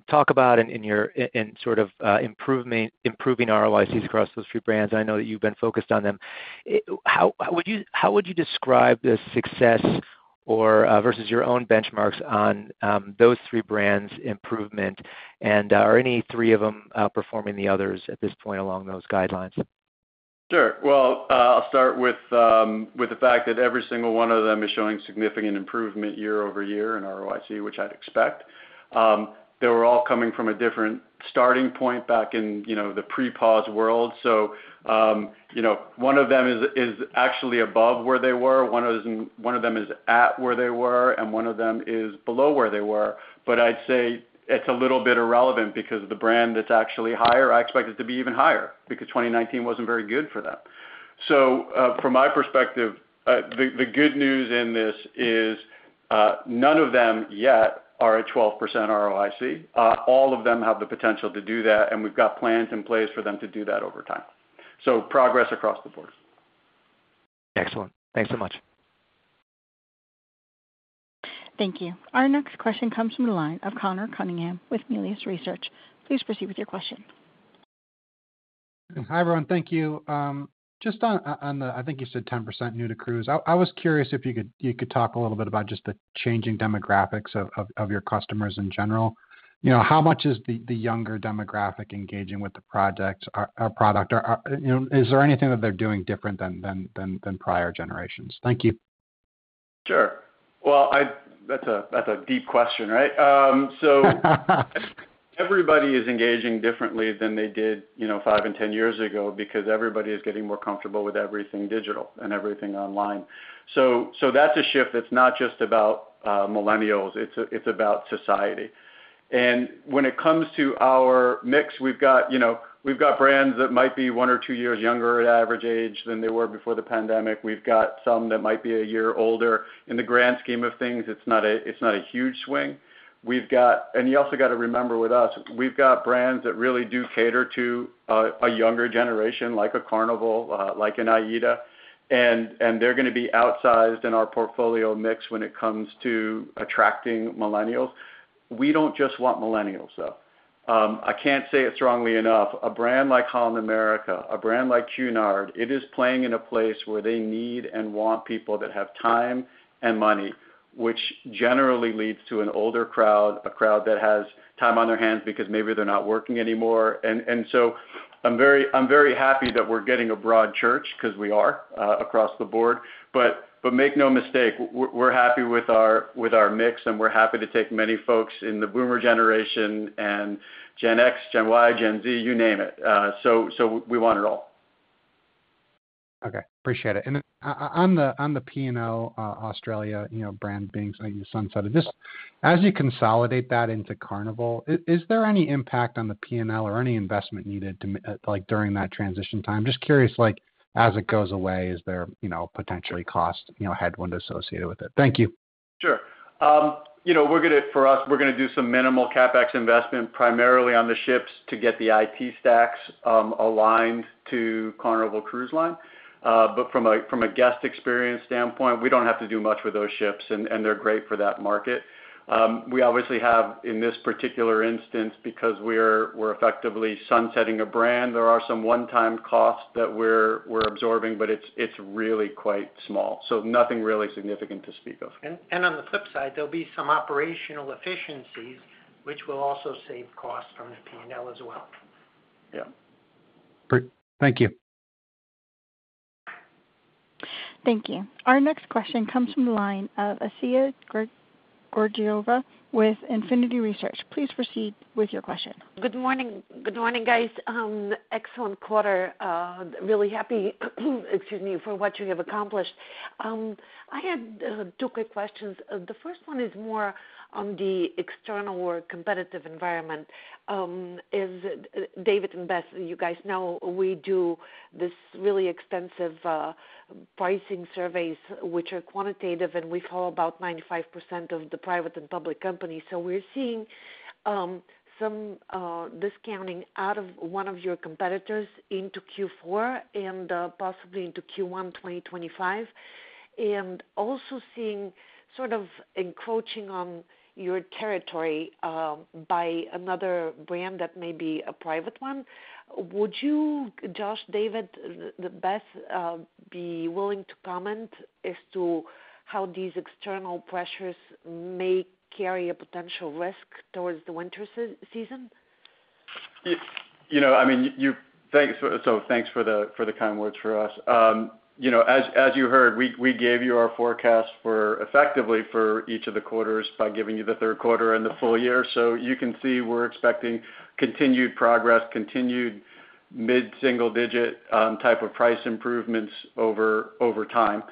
K: talk about and sort of improving ROICs across those three brands. I know that you've been focused on them. How would you describe the success versus your own benchmarks on those three brands' improvement, and are any three of them performing the others at this point along those guidelines?
C: Sure. Well, I'll start with the fact that every single one of them is showing significant improvement year-over-year in ROIC, which I'd expect. They were all coming from a different starting point back in the pre-pause world. So one of them is actually above where they were. One of them is at where they were, and one of them is below where they were. But I'd say it's a little bit irrelevant because the brand that's actually higher, I expect it to be even higher because 2019 wasn't very good for them. So from my perspective, the good news in this is none of them yet are at 12% ROIC. All of them have the potential to do that, and we've got plans in place for them to do that over time. So progress across the board.
K: Excellent. Thanks so much.
A: Thank you. Our next question comes from the line of Conor Cunningham with Melius Research. Please proceed with your question.
L: Hi, everyone. Thank you. Just on the, I think you said 10% new-to-cruise. I was curious if you could talk a little bit about just the changing demographics of your customers in general. How much is the younger demographic engaging with the product? Is there anything that they're doing different than prior generations? Thank you.
C: Sure. Well, that's a deep question, right? So everybody is engaging differently than they did five and 10 years ago because everybody is getting more comfortable with everything digital and everything online. So that's a shift that's not just about millennials. It's about society. And when it comes to our mix, we've got brands that might be one or two years younger at average age than they were before the pandemic. We've got some that might be a year older. In the grand scheme of things, it's not a huge swing. And you also got to remember with us, we've got brands that really do cater to a younger generation like a Carnival, like an AIDA. And they're going to be outsized in our portfolio mix when it comes to attracting millennials. We don't just want millennials, though. I can't say it strongly enough. A brand like Holland America, a brand like Cunard, it is playing in a place where they need and want people that have time and money, which generally leads to an older crowd, a crowd that has time on their hands because maybe they're not working anymore. And so I'm very happy that we're getting a broad church because we are across the board. But make no mistake, we're happy with our mix, and we're happy to take many folks in the boomer generation and Gen X, Gen Y, Gen Z, you name it. So we want it all.
L: Okay. Appreciate it. And then on the P&O Australia brand being sunset, as you consolidate that into Carnival, is there any impact on the P&L or any investment needed during that transition time? Just curious, as it goes away, is there potentially cost headwind associated with it? Thank you.
C: Sure. For us, we're going to do some minimal CapEx investment primarily on the ships to get the IP stacks aligned to Carnival Cruise Line. But from a guest experience standpoint, we don't have to do much with those ships, and they're great for that market. We obviously have, in this particular instance, because we're effectively sunsetting a brand, there are some one-time costs that we're absorbing, but it's really quite small. So nothing really significant to speak of.
D: On the flip side, there'll be some operational efficiencies, which will also save costs from the P&L as well.
L: Yeah. Great. Thank you.
A: Thank you. Our next question comes from the line of Assia Georgieva with Infinity Research. Please proceed with your question.
M: Good morning. Good morning, guys. Excellent quarter. Really happy, excuse me, for what you have accomplished. I had two quick questions. The first one is more on the external or competitive environment. As David and Beth, you guys know, we do this really extensive pricing surveys, which are quantitative, and we follow about 95% of the private and public companies. So we're seeing some discounting out of one of your competitors into Q4 and possibly into Q1 2025, and also seeing sort of encroaching on your territory by another brand that may be a private one. Would you, Josh, David, Beth, be willing to comment as to how these external pressures may carry a potential risk towards the winter season?
C: I mean, thanks. So thanks for the kind words for us. As you heard, we gave you our forecast effectively for each of the quarters by giving you the third quarter and the full year. So you can see we're expecting continued progress, continued mid-single-digit type of price improvements over time.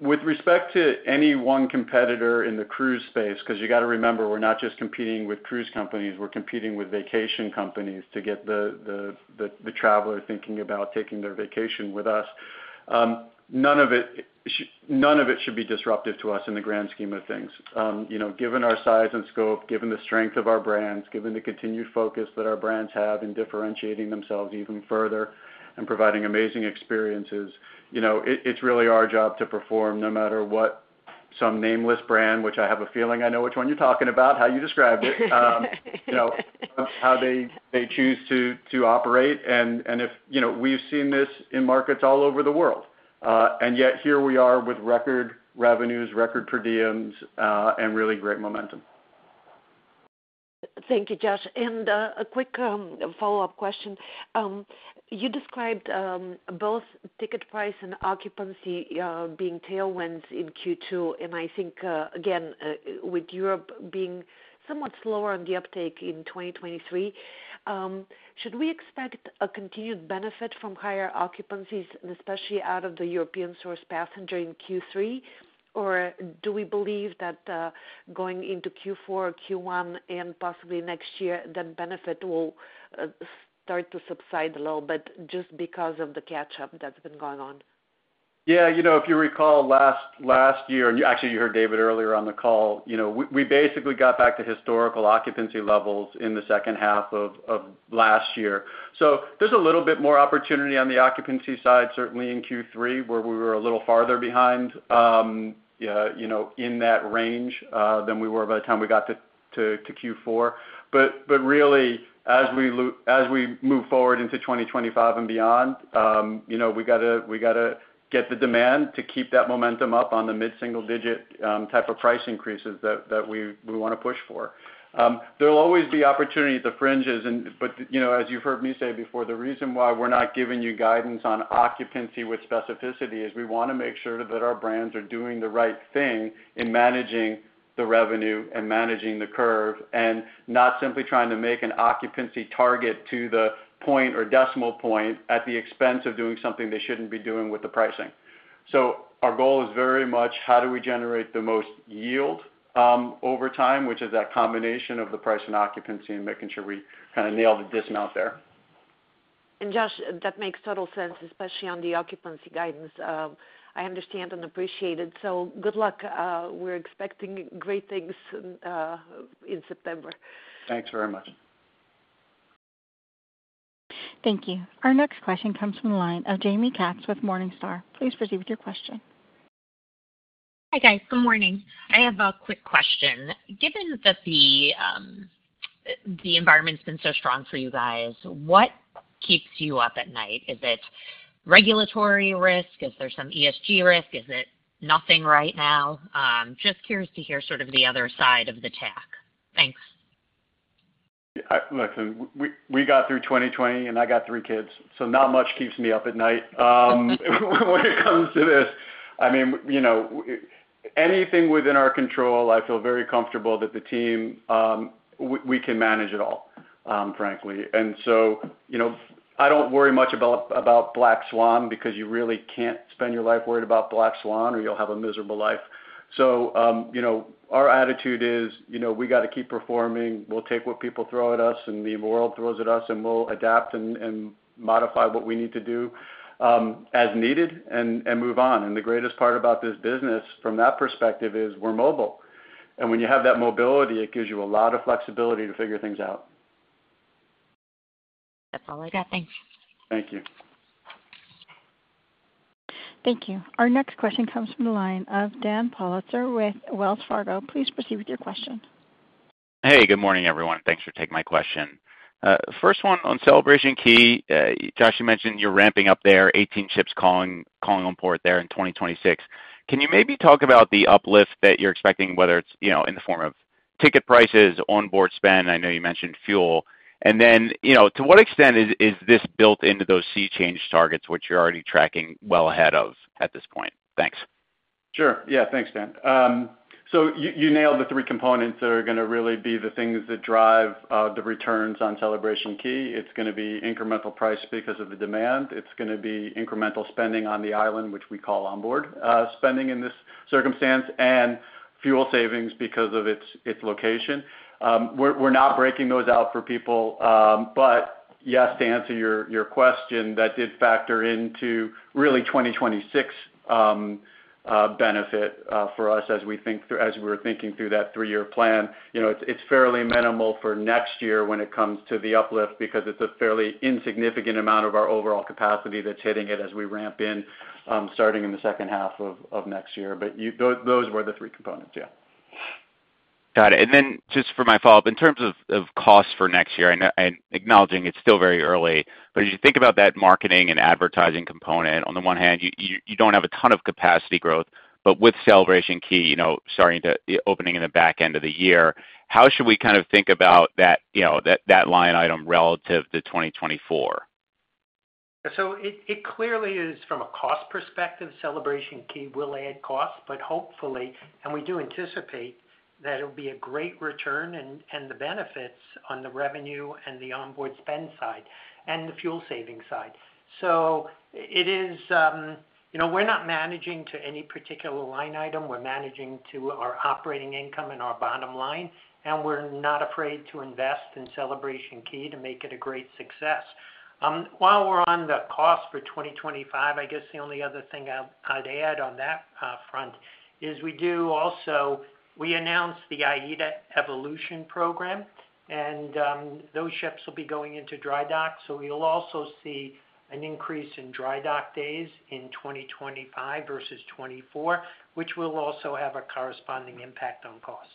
C: With respect to any one competitor in the cruise space, because you got to remember, we're not just competing with cruise companies. We're competing with vacation companies to get the traveler thinking about taking their vacation with us. None of it should be disruptive to us in the grand scheme of things. Given our size and scope, given the strength of our brands, given the continued focus that our brands have in differentiating themselves even further and providing amazing experiences, it's really our job to perform no matter what. Some nameless brand, which I have a feeling I know which one you're talking about, how you described it, how they choose to operate. And we've seen this in markets all over the world. And yet here we are with record revenues, record per diems, and really great momentum.
M: Thank you, Josh. And a quick follow-up question. You described both ticket price and occupancy being tailwinds in Q2. And I think, again, with Europe being somewhat slower on the uptake in 2023, should we expect a continued benefit from higher occupancies, especially out of the European source passenger in Q3? Or do we believe that going into Q4, Q1, and possibly next year, that benefit will start to subside a little bit just because of the catch-up that's been going on?
C: Yeah. If you recall last year, and actually, you heard David earlier on the call, we basically got back to historical occupancy levels in the second half of last year. So there's a little bit more opportunity on the occupancy side, certainly in Q3, where we were a little farther behind in that range than we were by the time we got to Q4. But really, as we move forward into 2025 and beyond, we got to get the demand to keep that momentum up on the mid-single-digit type of price increases that we want to push for. There'll always be opportunity at the fringes. But as you've heard me say before, the reason why we're not giving you guidance on occupancy with specificity is we want to make sure that our brands are doing the right thing in managing the revenue and managing the curve and not simply trying to make an occupancy target to the point or decimal point at the expense of doing something they shouldn't be doing with the pricing. So our goal is very much, how do we generate the most yield over time, which is that combination of the price and occupancy and making sure we kind of nail the dismount there.
M: And Josh, that makes total sense, especially on the occupancy guidance. I understand and appreciate it. So good luck. We're expecting great things in September.
C: Thanks very much.
A: Thank you. Our next question comes from the line of Jamie Katz with Morningstar. Please proceed with your question.
N: Hi, guys. Good morning. I have a quick question. Given that the environment's been so strong for you guys, what keeps you up at night? Is it regulatory risk? Is there some ESG risk? Is it nothing right now? Just curious to hear sort of the other side of the tech. Thanks.
C: Listen, we got through 2020, and I got three kids. So not much keeps me up at night when it comes to this. I mean, anything within our control, I feel very comfortable that the team, we can manage it all, frankly. And so I don't worry much about black swan because you really can't spend your life worried about black swan or you'll have a miserable life. So our attitude is we got to keep performing. We'll take what people throw at us and the world throws at us, and we'll adapt and modify what we need to do as needed and move on. And the greatest part about this business from that perspective is we're mobile. And when you have that mobility, it gives you a lot of flexibility to figure things out.
N: That's all I got. Thanks.
C: Thank you.
A: Thank you. Our next question comes from the line of Dan Politzer with Wells Fargo. Please proceed with your question.
O: Hey, good morning, everyone. Thanks for taking my question. First one on Celebration Key. Josh, you mentioned you're ramping up there, 18 ships calling on port there in 2026. Can you maybe talk about the uplift that you're expecting, whether it's in the form of ticket prices, onboard spend? I know you mentioned fuel. Then to what extent is this built into those sea change targets, which you're already tracking well ahead of at this point? Thanks.
C: Sure. Yeah. Thanks, Dan. You nailed the three components that are going to really be the things that drive the returns on Celebration Key. It's going to be incremental price because of the demand. It's going to be incremental spending on the island, which we call onboard spending in this circumstance, and fuel savings because of its location. We're not breaking those out for people. Yes, to answer your question, that did factor into really 2026 benefit for us as we were thinking through that three-year plan. It's fairly minimal for next year when it comes to the uplift because it's a fairly insignificant amount of our overall capacity that's hitting it as we ramp in starting in the second half of next year. But those were the three components, yeah.
O: Got it. And then just for my follow-up, in terms of costs for next year, acknowledging it's still very early, but as you think about that marketing and advertising component, on the one hand, you don't have a ton of capacity growth, but with Celebration Key starting to open in the back end of the year, how should we kind of think about that line item relative to 2024?
D: So it clearly is, from a cost perspective, Celebration Key will add costs, but hopefully, and we do anticipate that it'll be a great return and the benefits on the revenue and the onboard spend side and the fuel saving side. So it is we're not managing to any particular line item. We're managing to our operating income and our bottom line, and we're not afraid to invest in Celebration Key to make it a great success. While we're on the cost for 2025, I guess the only other thing I'd add on that front is we do also we announced the AIDA Evolution program, and those ships will be going into dry dock. So we'll also see an increase in dry dock days in 2025 versus 2024, which will also have a corresponding impact on cost.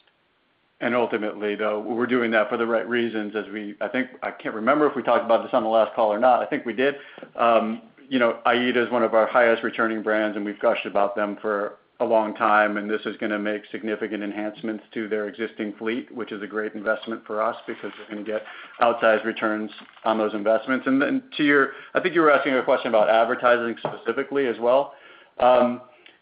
C: And ultimately, though, we're doing that for the right reasons as we I think I can't remember if we talked about this on the last call or not. I think we did. AIDA is one of our highest returning brands, and we've gushed about them for a long time, and this is going to make significant enhancements to their existing fleet, which is a great investment for us because we're going to get outsized returns on those investments. And then to your I think you were asking a question about advertising specifically as well.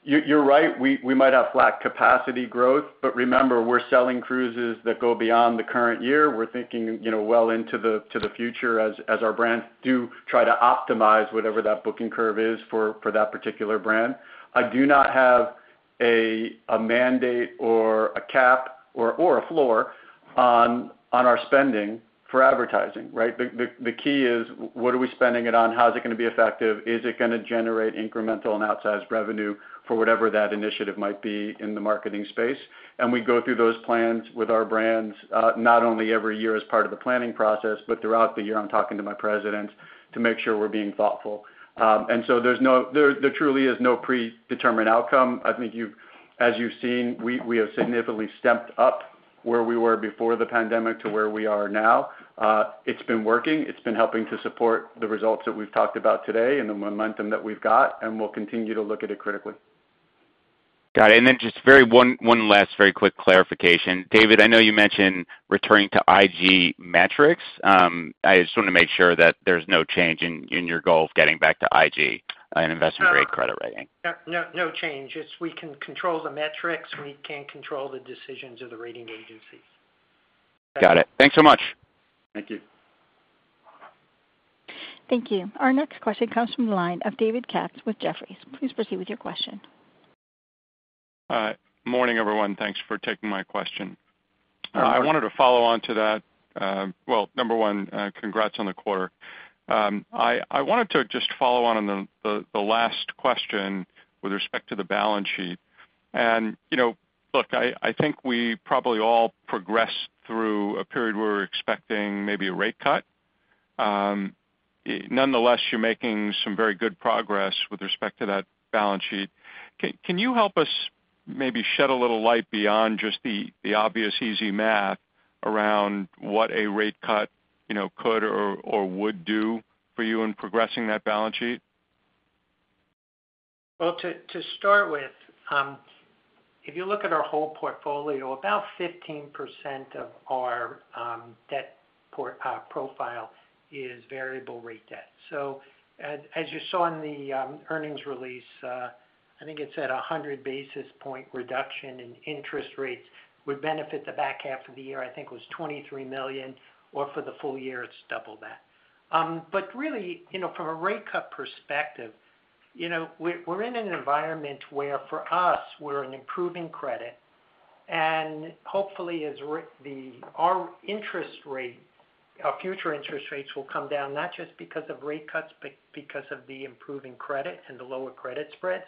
C: You're right. We might have flat capacity growth, but remember, we're selling cruises that go beyond the current year. We're thinking well into the future as our brands do try to optimize whatever that booking curve is for that particular brand. I do not have a mandate or a cap or a floor on our spending for advertising, right? The key is, what are we spending it on? How is it going to be effective? Is it going to generate incremental and outsized revenue for whatever that initiative might be in the marketing space? We go through those plans with our brands not only every year as part of the planning process, but throughout the year. I'm talking to my president to make sure we're being thoughtful. So there truly is no predetermined outcome. I think, as you've seen, we have significantly stepped up where we were before the pandemic to where we are now. It's been working. It's been helping to support the results that we've talked about today and the momentum that we've got, and we'll continue to look at it critically.
O: Got it. Then just one last very quick clarification. David, I know you mentioned returning to IG metrics. I just want to make sure that there's no change in your goal of getting back to IG and investment-grade credit rating.
D: No change. We can control the metrics. We can control the decisions of the rating agencies.
O: Got it. Thanks so much.
D: Thank you.
A: Thank you. Our next question comes from the line of David Katz with Jefferies. Please proceed with your question.
P: Morning, everyone. Thanks for taking my question. I wanted to follow on to that. Well, number one, congrats on the quarter. I wanted to just follow on on the last question with respect to the balance sheet. And look, I think we probably all progressed through a period where we're expecting maybe a rate cut. Nonetheless, you're making some very good progress with respect to that balance sheet. Can you help us maybe shed a little light beyond just the obvious easy math around what a rate cut could or would do for you in progressing that balance sheet?
C: Well, to start with, if you look at our whole portfolio, about 15% of our debt profile is variable rate debt. So as you saw in the earnings release, I think it's at a 100 basis point reduction in interest rates. We benefit the back half of the year, I think it was $23 million. Or for the full year, it's double that. But really, from a rate cut perspective, we're in an environment where for us, we're an improving credit. And hopefully, our future interest rates will come down not just because of rate cuts, but because of the improving credit and the lower credit spreads.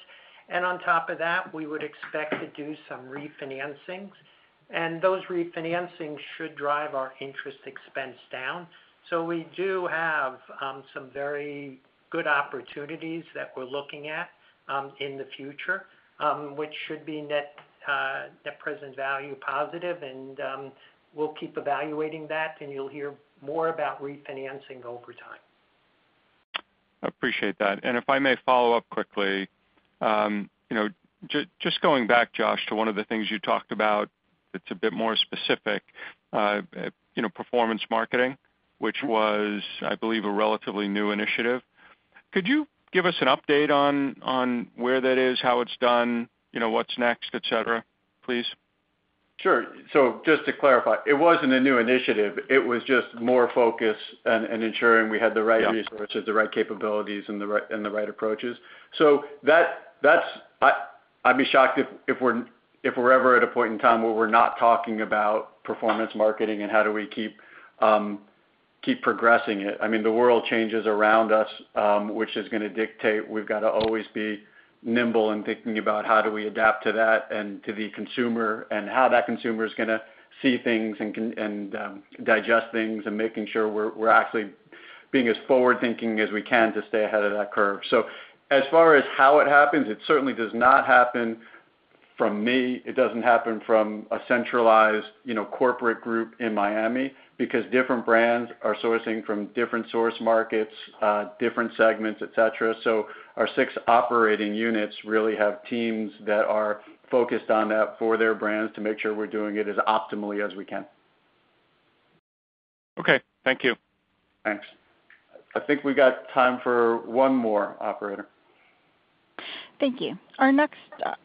C: And on top of that, we would expect to do some refinancings. And those refinancings should drive our interest expense down. So we do have some very good opportunities that we're looking at in the future, which should be net present value positive. And we'll keep evaluating that, and you'll hear more about refinancing over time.
P: I appreciate that. And if I may follow up quickly, just going back, Josh, to one of the things you talked about that's a bit more specific, performance marketing, which was, I believe, a relatively new initiative. Could you give us an update on where that is, how it's done, what's next, etc., please?
C: Sure. So just to clarify, it wasn't a new initiative. It was just more focus and ensuring we had the right resources, the right capabilities, and the right approaches. So I'd be shocked if we're ever at a point in time where we're not talking about performance marketing and how do we keep progressing it. I mean, the world changes around us, which is going to dictate. We've got to always be nimble in thinking about how do we adapt to that and to the consumer and how that consumer is going to see things and digest things and making sure we're actually being as forward-thinking as we can to stay ahead of that curve. So as far as how it happens, it certainly does not happen from me. It doesn't happen from a centralized corporate group in Miami because different brands are sourcing from different source markets, different segments, etc. So our six operating units really have teams that are focused on that for their brands to make sure we're doing it as optimally as we can.
P: Okay. Thank you.
C: Thanks. I think we've got time for one more operator.
A: Thank you. Our next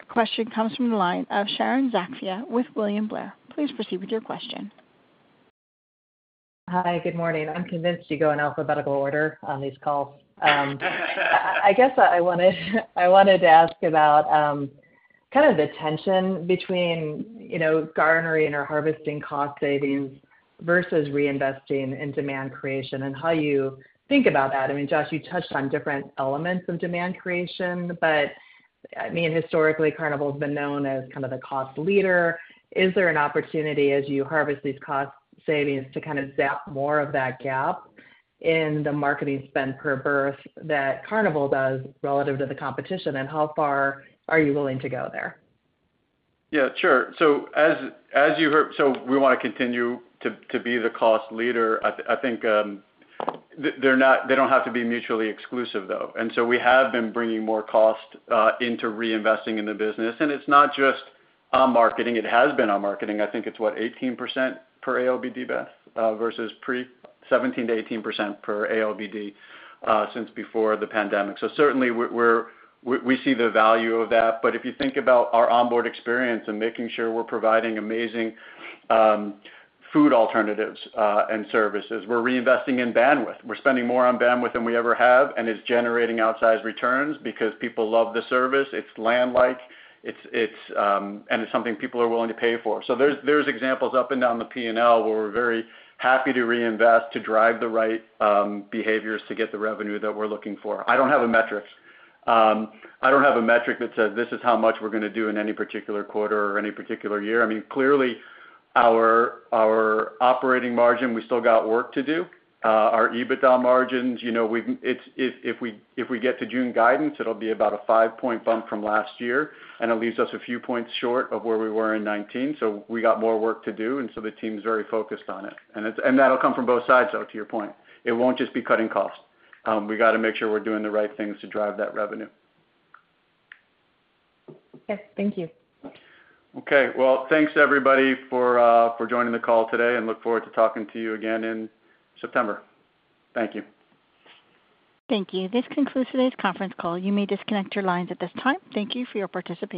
A: question comes from the line of Sharon Zacfia with William Blair. Please proceed with your question.
Q: Hi. Good morning. I'm convinced you go in alphabetical order on these calls. I guess I wanted to ask about kind of the tension between garnering or harvesting cost savings versus reinvesting in demand creation and how you think about that. I mean, Josh, you touched on different elements of demand creation, but I mean, historically, Carnival has been known as kind of the cost leader. Is there an opportunity, as you harvest these cost savings, to kind of zap more of that gap in the marketing spend per berth that Carnival does relative to the competition? And how far are you willing to go there?
C: Yeah. Sure. So as you heard, so we want to continue to be the cost leader. I think they don't have to be mutually exclusive, though. And so we have been bringing more cost into reinvesting in the business. And it's not just on marketing. It has been on marketing. I think it's what, 18% per ALBD versus 17%-18% per ALBD since before the pandemic. So certainly, we see the value of that. But if you think about our onboard experience and making sure we're providing amazing food alternatives and services, we're reinvesting in bandwidth. We're spending more on bandwidth than we ever have, and it's generating outsized returns because people love the service. It's land-like, and it's something people are willing to pay for. There's examples up and down the P&L where we're very happy to reinvest to drive the right behaviors to get the revenue that we're looking for. I don't have a metric. I don't have a metric that says, "This is how much we're going to do in any particular quarter or any particular year." I mean, clearly, our operating margin, we still got work to do. Our EBITDA margins, if we get to June guidance, it'll be about a 5-point bump from last year, and it leaves us a few points short of where we were in 2019. We got more work to do, and so the team's very focused on it. And that'll come from both sides, though, to your point. It won't just be cutting costs. We got to make sure we're doing the right things to drive that revenue.
Q: Yes. Thank you.
C: Okay. Well, thanks, everybody, for joining the call today, and look forward to talking to you again in September. Thank you.
A: Thank you. This concludes today's conference call. You may disconnect your lines at this time. Thank you for your participation.